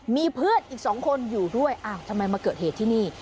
มีเพื่อนอีก๒คนอยู่ด้วยอ้าวทำไมมาเกิดเหตุที่นี่